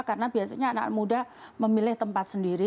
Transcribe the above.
karena biasanya anak muda memilih tempat sendiri